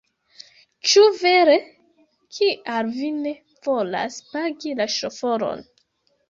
Ĉu vere? Kial vi ne volas pagi la ŝoforon?